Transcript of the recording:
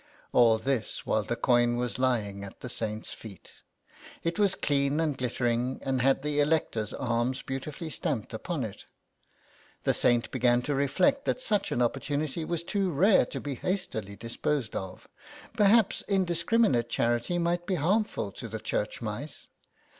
All this while the coin was lying at the Saint's feet. It was clean and glittering and had the Elector's arms beautifully stamped upon it. The Saint began to reflect that such an opportunity was too rare to be hastily disposed of. Perhaps indiscriminate charity might be harmful to the church mice.